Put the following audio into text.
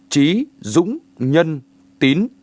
chí dũng nhân tín